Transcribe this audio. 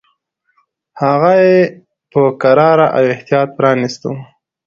هغه یې په کراره او احتیاط پرانیستو.